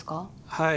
はい。